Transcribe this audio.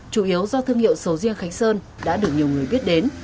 chủ yếu do thương hiệu sầu riêng khánh sơn đã được nhiều người biết đến